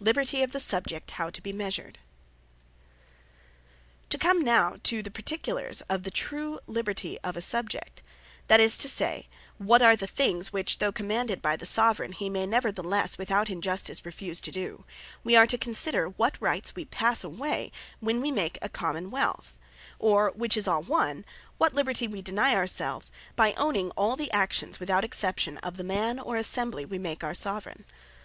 Liberty Of The Subject How To Be Measured To come now to the particulars of the true Liberty of a Subject; that is to say, what are the things, which though commanded by the Soveraign, he may neverthelesse, without Injustice, refuse to do; we are to consider, what Rights we passe away, when we make a Common wealth; or (which is all one,) what Liberty we deny our selves, by owning all the Actions (without exception) of the Man, or Assembly we make our Soveraign.